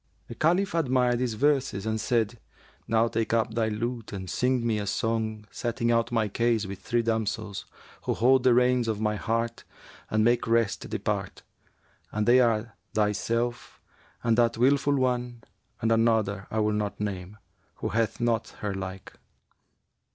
The Caliph admired these verses and said, 'Now, take up thy lute and sing me a song setting out my case with three damsels who hold the reins of my heart and make rest depart; and they are thyself and that wilful one and another I will not name, who hath not her like.'